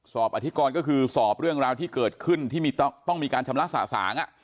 อธิกรก็คือสอบเรื่องราวที่เกิดขึ้นที่ต้องมีการชำระสะสาง